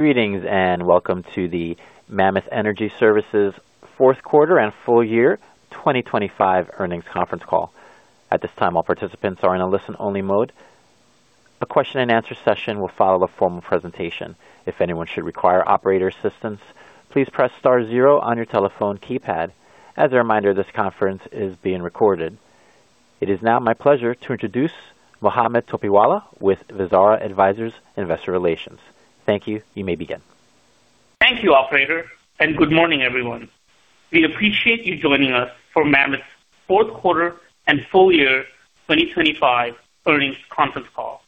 Greetings and welcome to the Mammoth Energy Services Fourth Quarter and Full Year 2025 Earnings Conference Call. At this time, all participants are in a listen-only mode. A question-and-answer session will follow the formal presentation. If anyone should require operator assistance, please press star zero on your telephone keypad. As a reminder, this conference is being recorded. It is now my pleasure to introduce Mohammed Topiwala with Vizara Advisors, Investor Relations. Thank you. You may begin. Thank you, operator, and good morning, everyone. We appreciate you joining us for Mammoth's Fourth Quarter and Full Year 2025 Earnings Conference Call.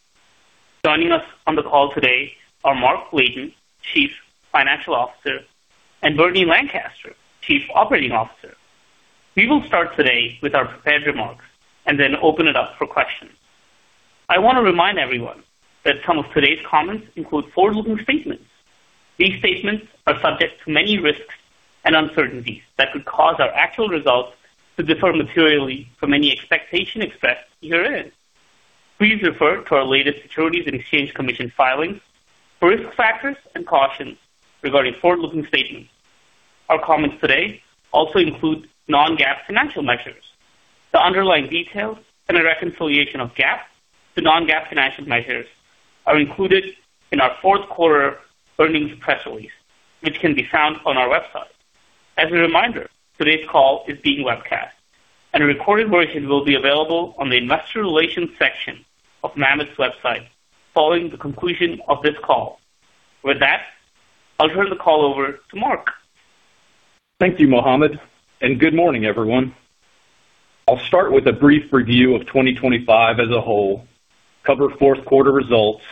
Joining us on the call today are Mark Layton, Chief Financial Officer, and Bernie Lancaster, Chief Operating Officer. We will start today with our prepared remarks and then open it up for questions. I want to remind everyone that some of today's comments include forward-looking statements. These statements are subject to many risks and uncertainties that could cause our actual results to differ materially from any expectation expressed herein. Please refer to our latest Securities and Exchange Commission filings for risk factors and cautions regarding forward-looking statements. Our comments today also include non-GAAP financial measures. The underlying details and a reconciliation of GAAP to non-GAAP financial measures are included in our fourth quarter earnings press release, which can be found on our website. As a reminder, today's call is being webcast, and a recorded version will be available on the Investor Relations section of Mammoth's website following the conclusion of this call. With that, I'll turn the call over to Mark. Thank you, Mohammed. Good morning, everyone. I'll start with a brief review of 2025 as a whole, cover fourth quarter results,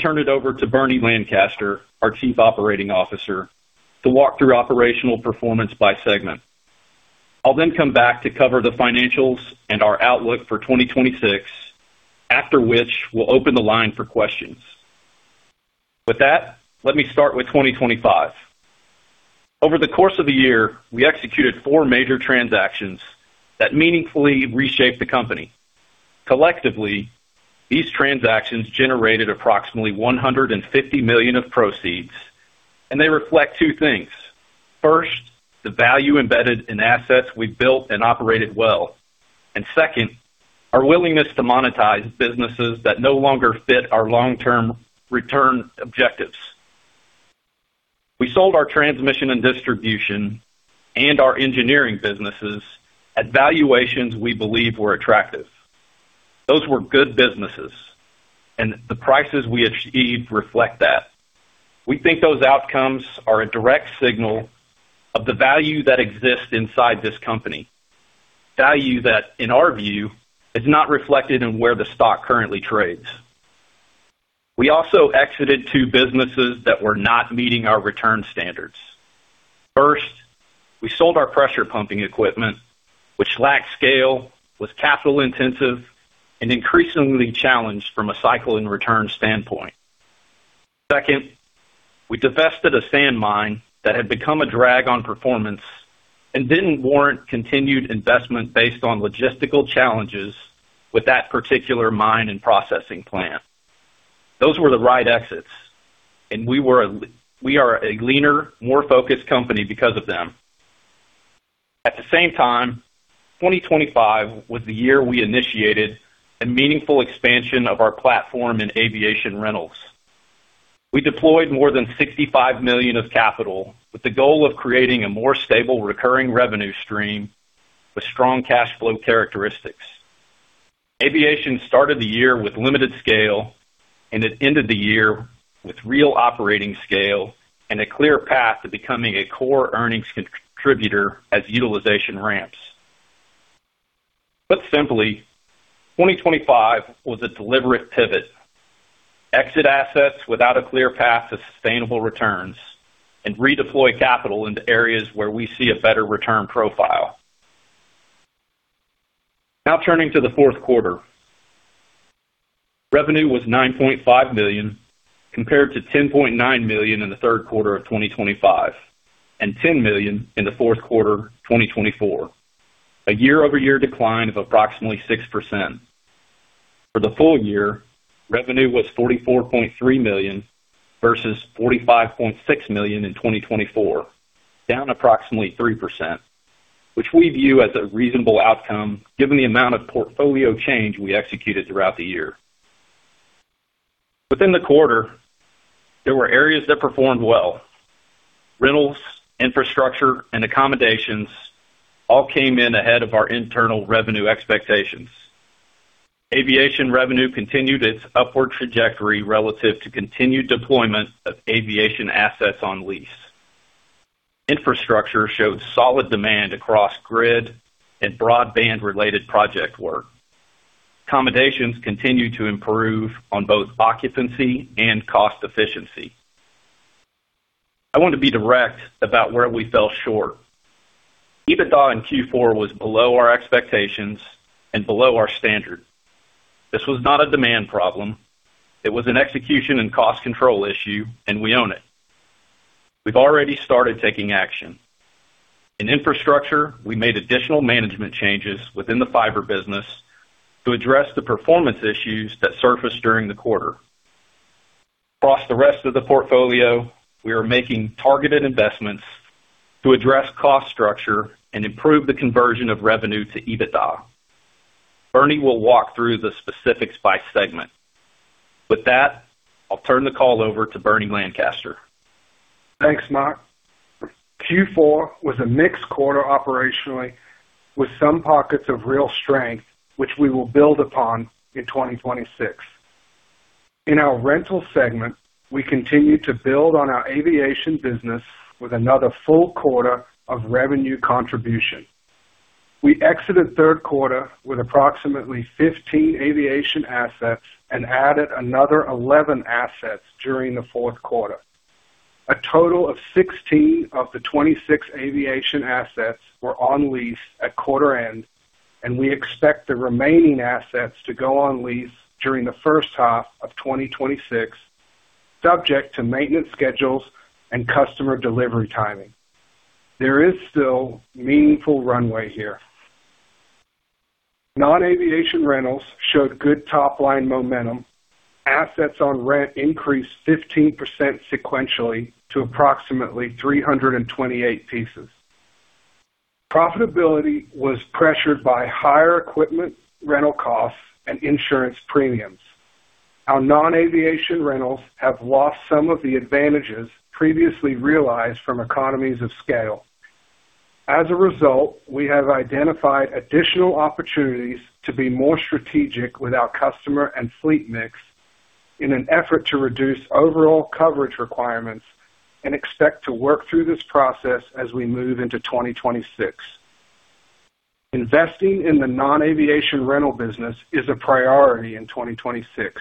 turn it over to Bernie Lancaster, our Chief Operating Officer, to walk through operational performance by segment. I'll come back to cover the financials and our outlook for 2026. After which, we'll open the line for questions. With that, let me start with 2025. Over the course of the year, we executed four major transactions that meaningfully reshaped the company. Collectively, these transactions generated approximately $150 million of proceeds. They reflect two things. First, the value embedded in assets we built and operated well. Second, our willingness to monetize businesses that no longer fit our long-term return objectives. We sold our transmission and distribution and our engineering businesses at valuations we believe were attractive. Those were good businesses. The prices we achieved reflect that. We think those outcomes are a direct signal of the value that exists inside this company. Value that, in our view, is not reflected in where the stock currently trades. We also exited two businesses that were not meeting our return standards. First, we sold our pressure pumping equipment, which lacked scale, was capital intensive and increasingly challenged from a cycle and return standpoint. Second, we divested a sand mine that had become a drag on performance and didn't warrant continued investment based on logistical challenges with that particular mine and processing plant. Those were the right exits. We are a leaner, more focused company because of them. At the same time, 2025 was the year we initiated a meaningful expansion of our platform in aviation rentals. We deployed more than $65 million of capital with the goal of creating a more stable recurring revenue stream with strong cash flow characteristics. Aviation started the year with limited scale. It ended the year with real operating scale and a clear path to becoming a core earnings contributor as utilization ramps. Put simply, 2025 was a deliberate pivot. Exit assets without a clear path to sustainable returns and redeploy capital into areas where we see a better return profile. Turning to the fourth quarter. Revenue was $9.5 million compared to $10.9 million in the third quarter of 2025 and $10 million in the fourth quarter of 2024, a year-over-year decline of approximately 6%. For the full year, revenue was $44.3 million versus $45.6 million in 2024, down approximately 3%, which we view as a reasonable outcome given the amount of portfolio change we executed throughout the year. Within the quarter, there were areas that performed well. Rentals, infrastructure and accommodations all came in ahead of our internal revenue expectations. Aviation revenue continued its upward trajectory relative to continued deployment of aviation assets on lease. Infrastructure showed solid demand across grid and broadband related project work. Accommodations continued to improve on both occupancy and cost efficiency. I want to be direct about where we fell short. EBITDA in Q4 was below our expectations and below our standard. This was not a demand problem. It was an execution and cost control issue, and we own it. We've already started taking action. In infrastructure, we made additional management changes within the fiber business to address the performance issues that surfaced during the quarter. Across the rest of the portfolio, we are making targeted investments to address cost structure and improve the conversion of revenue to EBITDA. Bernie will walk through the specifics by segment. With that, I'll turn the call over to Bernie Lancaster. Thanks, Mark. Q4 was a mixed quarter operationally, with some pockets of real strength, which we will build upon in 2026. In our rental segment, we continued to build on our aviation business with another full quarter of revenue contribution. We exited third quarter with approximately 15 aviation assets and added another 11 assets during the fourth quarter. A total of 16 of the 26 aviation assets were on lease at quarter end, and we expect the remaining assets to go on lease during the first half of 2026, subject to maintenance schedules and customer delivery timing. There is still meaningful runway here. Non-aviation rentals showed good top line momentum. Assets on rent increased 15% sequentially to approximately 328 pieces. Profitability was pressured by higher equipment rental costs and insurance premiums. Our non-aviation rentals have lost some of the advantages previously realized from economies of scale. As a result, we have identified additional opportunities to be more strategic with our customer and fleet mix in an effort to reduce overall coverage requirements and expect to work through this process as we move into 2026. Investing in the non-aviation rental business is a priority in 2026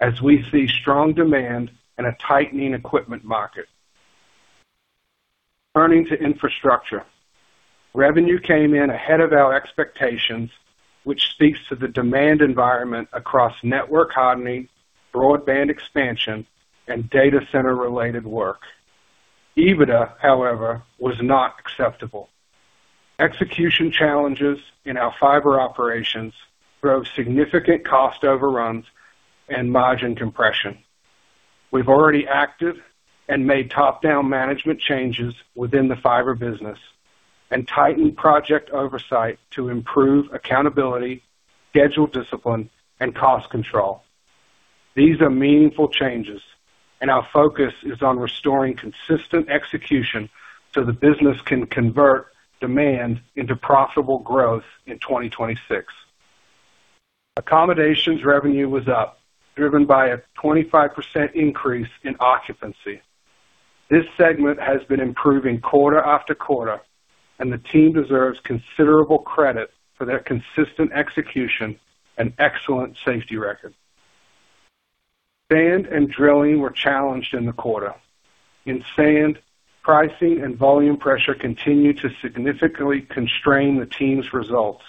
as we see strong demand and a tightening equipment market. Turning to infrastructure. Revenue came in ahead of our expectations, which speaks to the demand environment across network hardening, broadband expansion, and data center related work. EBITDA, however, was not acceptable. Execution challenges in our fiber operations drove significant cost overruns and margin compression. We've already acted and made top-down management changes within the fiber business and tightened project oversight to improve accountability, schedule discipline, and cost control. These are meaningful changes and our focus is on restoring consistent execution so the business can convert demand into profitable growth in 2026. Accommodations revenue was up, driven by a 25% increase in occupancy. This segment has been improving quarter-after-quarter and the team deserves considerable credit for their consistent execution and excellent safety record. Sand and drilling were challenged in the quarter. In sand, pricing and volume pressure continued to significantly constrain the team's results.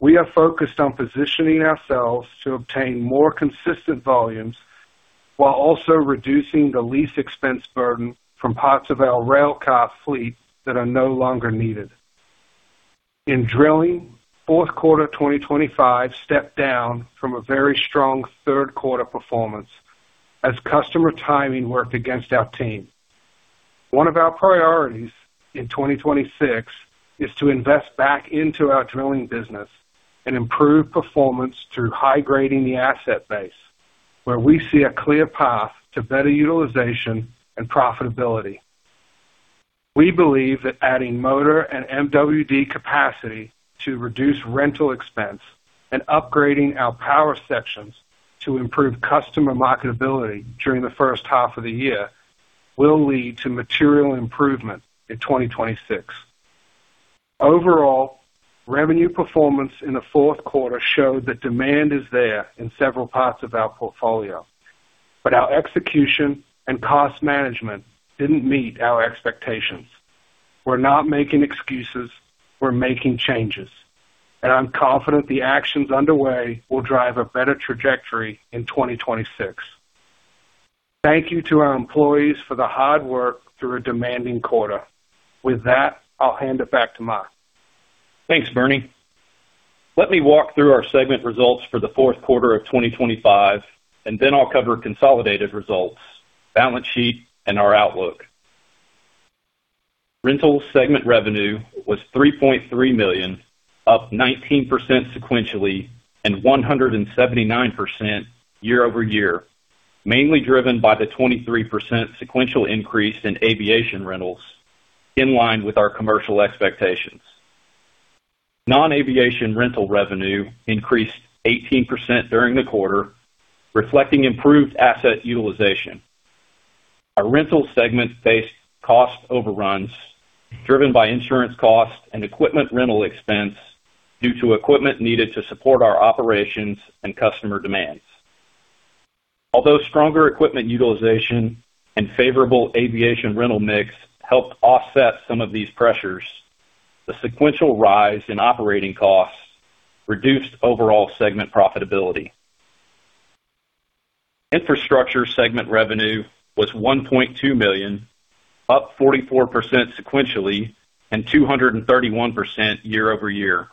We are focused on positioning ourselves to obtain more consistent volumes while also reducing the lease expense burden from parts of our railcar fleet that are no longer needed. In drilling, Q4 2025 stepped down from a very strong third quarter performance as customer timing worked against our team. One of our priorities in 2026 is to invest back into our drilling business and improve performance through high-grading the asset base where we see a clear path to better utilization and profitability. We believe that adding motor and MWD capacity to reduce rental expense and upgrading our power sections to improve customer marketability during the first half of the year will lead to material improvement in 2026. Overall, revenue performance in the fourth quarter showed that demand is there in several parts of our portfolio, but our execution and cost management didn't meet our expectations. We're not making excuses, we're making changes, and I'm confident the actions underway will drive a better trajectory in 2026. Thank you to our employees for the hard work through a demanding quarter. With that, I'll hand it back to Mark. Thanks, Bernie. Let me walk through our segment results for the fourth quarter of 2025, and then I'll cover consolidated results, balance sheet, and our outlook. Rental segment revenue was $3.3 million, up 19% sequentially and 179% year-over-year, mainly driven by the 23% sequential increase in aviation rentals in line with our commercial expectations. Non-aviation rental revenue increased 18% during the quarter, reflecting improved asset utilization. Our rental segment faced cost overruns driven by insurance costs and equipment rental expense due to equipment needed to support our operations and customer demands. Stronger equipment utilization and favorable aviation rental mix helped offset some of these pressures, the sequential rise in operating costs reduced overall segment profitability. Infrastructure segment revenue was $1.2 million, up 44% sequentially and 231% year-over-year.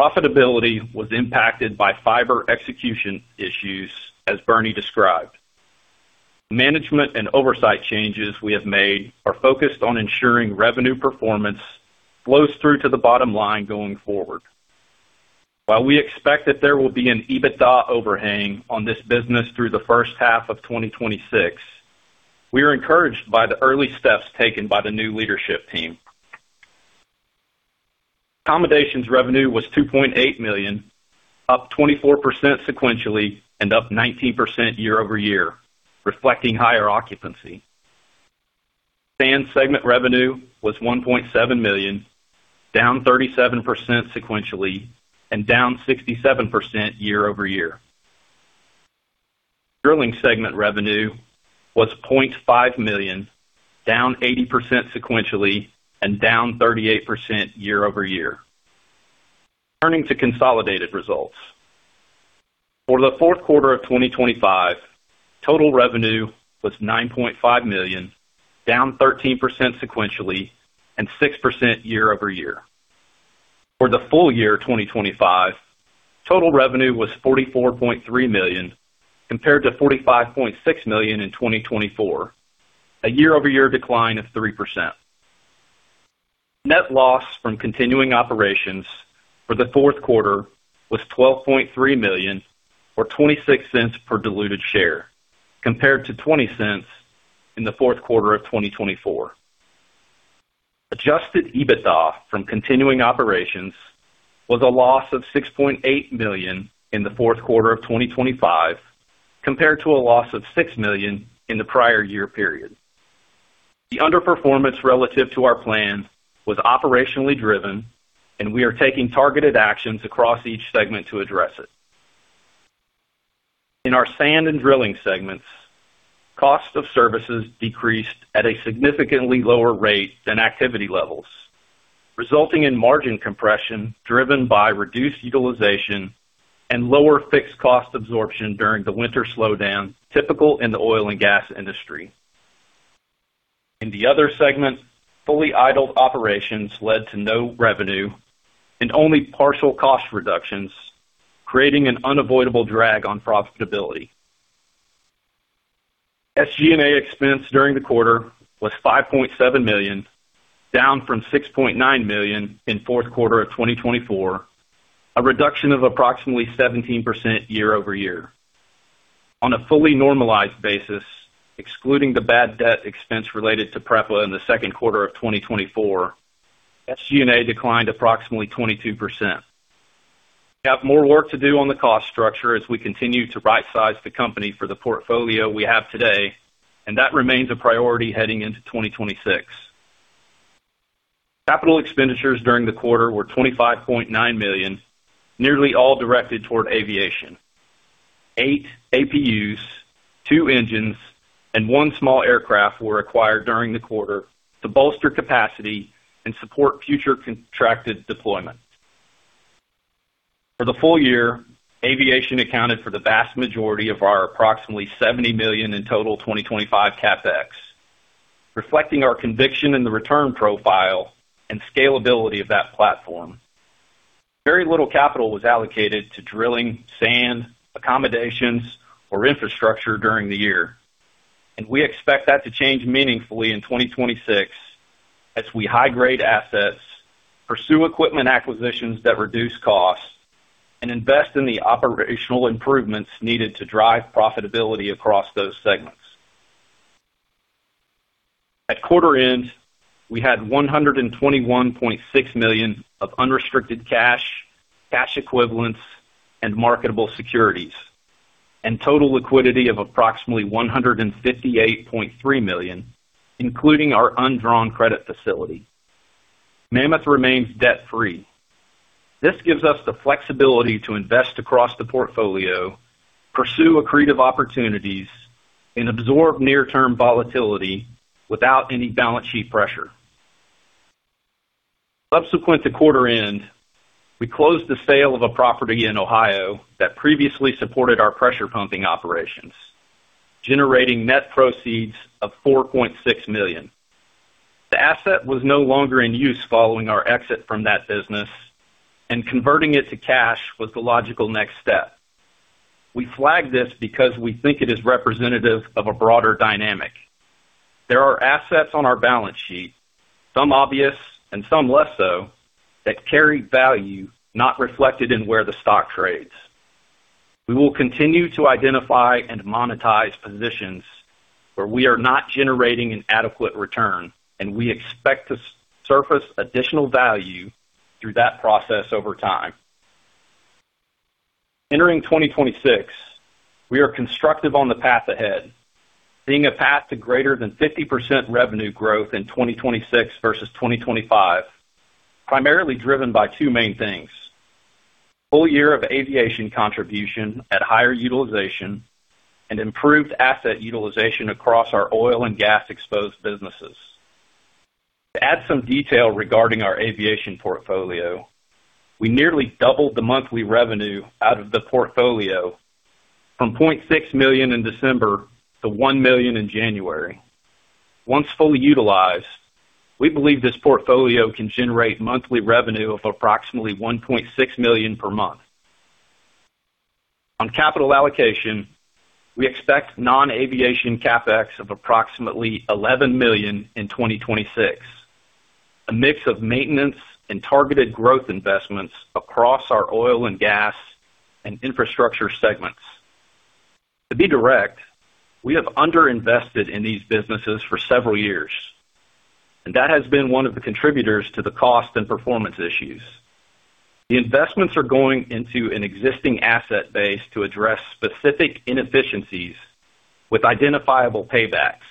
Profitability was impacted by fiber execution issues, as Bernie described. Management and oversight changes we have made are focused on ensuring revenue performance flows through to the bottom line going forward. While we expect that there will be an EBITDA overhang on this business through the first half of 2026, we are encouraged by the early steps taken by the new leadership team. Accommodations revenue was $2.8 million, up 24% sequentially and up 19% year-over-year, reflecting higher occupancy. Sand segment revenue was $1.7 million, down 37% sequentially and down 67% year-over-year. Drilling segment revenue was $0.5 million, down 80% sequentially and down 38% year-over-year. Turning to consolidated results. For the fourth quarter of 2025, total revenue was $9.5 million, down 13% sequentially and 6% year-over-year. For the full year 2025, total revenue was $44.3 million compared to $45.6 million in 2024, a year-over-year decline of 3%. Net loss from continuing operations for the fourth quarter was $12.3 million or $0.26 per diluted share, compared to $0.20 in the fourth quarter of 2024. Adjusted EBITDA from continuing operations was a loss of $6.8 million in the fourth quarter of 2025, compared to a loss of $6 million in the prior year period. The underperformance relative to our plan was operationally driven and we are taking targeted actions across each segment to address it. In our sand and drilling segments, cost of services decreased at a significantly lower rate than activity levels, resulting in margin compression driven by reduced utilization and lower fixed cost absorption during the winter slowdown typical in the oil and gas industry. In the other segment, fully idled operations led to no revenue and only partial cost reductions, creating an unavoidable drag on profitability. SG&A expense during the quarter was $5.7 million, down from $6.9 million in Q4 2024, a reduction of approximately 17% year-over-year. On a fully normalized basis, excluding the bad debt expense related to PREPA in 2Q 2024, SG&A declined approximately 22%. We have more work to do on the cost structure as we continue to rightsize the company for the portfolio we have today. That remains a priority heading into 2026. Capital expenditures during the quarter were $25.9 million, nearly all directed toward aviation. Eight APUs, two engines, and one small aircraft were acquired during the quarter to bolster capacity and support future contracted deployment. For the full year, aviation accounted for the vast majority of our approximately $70 million in total 2025 CapEx, reflecting our conviction in the return profile and scalability of that platform. Very little capital was allocated to drilling, sand, accommodations, or infrastructure during the year. We expect that to change meaningfully in 2026 as we high-grade assets, pursue equipment acquisitions that reduce costs, and invest in the operational improvements needed to drive profitability across those segments. At quarter end, we had $121.6 million of unrestricted cash equivalents, and marketable securities, and total liquidity of approximately $158.3 million, including our undrawn credit facility. Mammoth remains debt-free. This gives us the flexibility to invest across the portfolio, pursue accretive opportunities, and absorb near-term volatility without any balance sheet pressure. Subsequent to quarter end, we closed the sale of a property in Ohio that previously supported our pressure pumping operations, generating net proceeds of $4.6 million. The asset was no longer in use following our exit from that business. Converting it to cash was the logical next step. We flagged this because we think it is representative of a broader dynamic. There are assets on our balance sheet, some obvious and some less so, that carry value not reflected in where the stock trades. We will continue to identify and monetize positions where we are not generating an adequate return. We expect to surface additional value through that process over time. Entering 2026, we are constructive on the path ahead, seeing a path to greater than 50% revenue growth in 2026 versus 2025, primarily driven by two main things: full year of aviation contribution at higher utilization and improved asset utilization across our oil and gas exposed businesses. To add some detail regarding our aviation portfolio, we nearly doubled the monthly revenue out of the portfolio from $0.6 million in December to $1 million in January. Once fully utilized, we believe this portfolio can generate monthly revenue of approximately $1.6 million per month. On capital allocation, we expect non-aviation CapEx of approximately $11 million in 2026, a mix of maintenance and targeted growth investments across our oil and gas and infrastructure segments. To be direct, we have underinvested in these businesses for several years, and that has been one of the contributors to the cost and performance issues. The investments are going into an existing asset base to address specific inefficiencies with identifiable paybacks.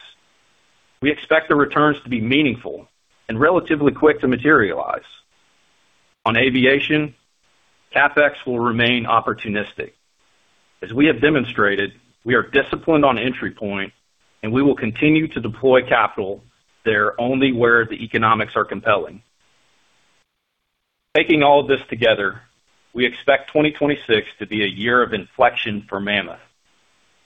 We expect the returns to be meaningful and relatively quick to materialize. On aviation, CapEx will remain opportunistic. As we have demonstrated, we are disciplined on entry point, and we will continue to deploy capital there only where the economics are compelling. Taking all of this together, we expect 2026 to be a year of inflection for Mammoth.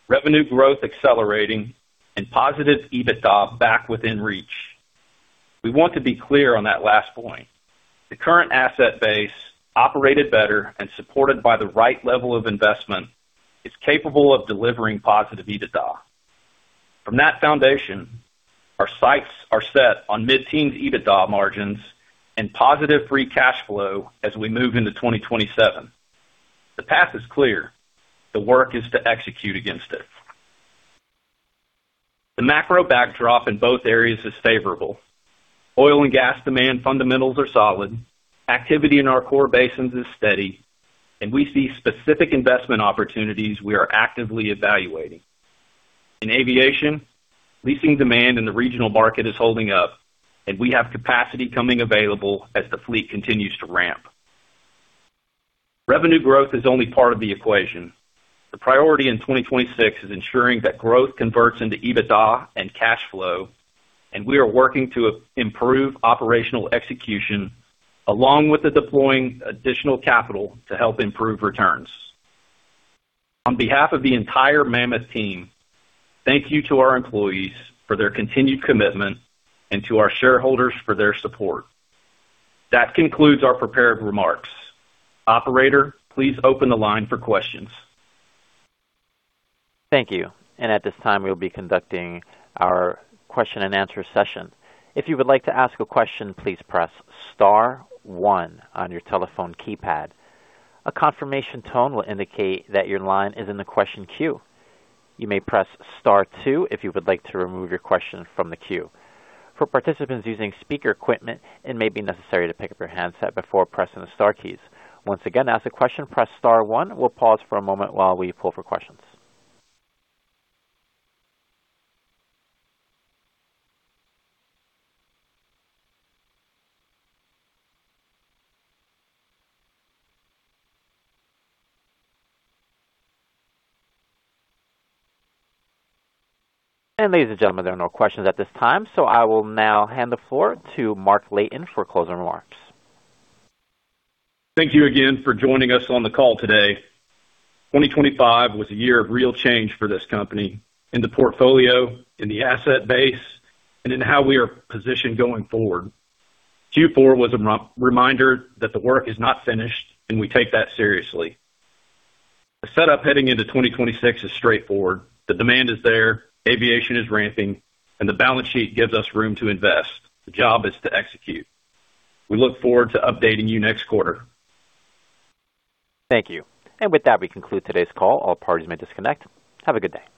Revenue growth accelerating and positive EBITDA back within reach. We want to be clear on that last point. The current asset base operated better and supported by the right level of investment is capable of delivering positive EBITDA. From that foundation, our sights are set on mid-teens EBITDA margins and positive free cash flow as we move into 2027. The path is clear. The work is to execute against it. The macro backdrop in both areas is favorable. Oil and gas demand fundamentals are solid. Activity in our core basins is steady. We see specific investment opportunities we are actively evaluating. In aviation, leasing demand in the regional market is holding up, and we have capacity coming available as the fleet continues to ramp. Revenue growth is only part of the equation. The priority in 2026 is ensuring that growth converts into EBITDA and cash flow, and we are working to improve operational execution along with the deploying additional capital to help improve returns. On behalf of the entire Mammoth team, thank you to our employees for their continued commitment and to our shareholders for their support. That concludes our prepared remarks. Operator, please open the line for questions. Thank you. At this time, we'll be conducting our question-and-answer session. If you would like to ask a question, please press star one on your telephone keypad. A confirmation tone will indicate that your line is in the question queue. You may press star two if you would like to remove your question from the queue. For participants using speaker equipment, it may be necessary to pick up your handset before pressing the star keys. Once again, to ask a question, press star one. We'll pause for a moment while we pull for questions. Ladies and gentlemen, there are no questions at this time, so I will now hand the floor to Mark Layton for closing remarks. Thank you again for joining us on the call today. 2025 was a year of real change for this company in the portfolio, in the asset base, and in how we are positioned going forward. Q4 was a re-reminder that the work is not finished and we take that seriously. The setup heading into 2026 is straightforward. The demand is there, aviation is ramping, and the balance sheet gives us room to invest. The job is to execute. We look forward to updating you next quarter. Thank you. With that, we conclude today's call. All parties may disconnect. Have a good day.